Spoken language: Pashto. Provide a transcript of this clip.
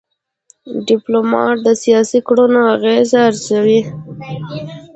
ډيپلومات د سیاسي کړنو اغېز ارزوي.